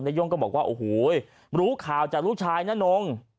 ย่งก็บอกว่าโอ้โหรู้ข่าวจากลูกชายนะนง